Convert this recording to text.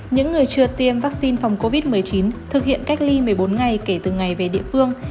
những người chưa tiêm vaccine phòng covid một mươi chín thực hiện cách ly một mươi bốn ngày kể từ ngày về địa phương